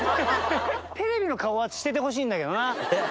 テレビの顔はしててほしいんだけどな。